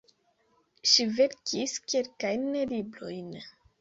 Ŝi verkis kelkajn librojn.